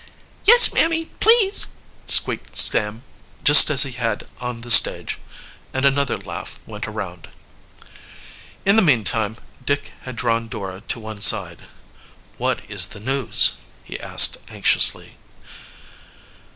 "Yes, mammy, please," squeaked Sam, just as he had on the stage, and another laugh went around. In the meantime Dick had drawn Dora to one side. "What is the news?" he asked anxiously.